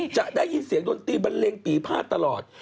จะได้ยินเสียงดนตรีบันเลงปีภาษตลอด